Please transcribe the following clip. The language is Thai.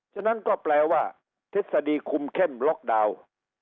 ฉะนั้นก็แปลว่าทฤษฎีคุมเข้มล็อกดาวน์